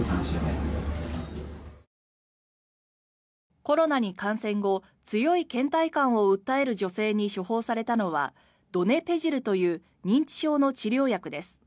コロナに感染後強いけん怠感を訴える女性に処方されたのはドネペジルという認知症の治療薬です。